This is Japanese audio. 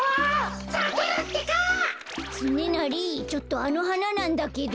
つねなりちょっとあのはななんだけど。